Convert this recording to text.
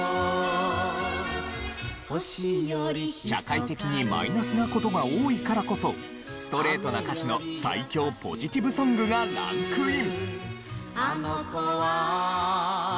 社会的にマイナスな事が多いからこそストレートな歌詞の最強ポジティブソングがランクイン。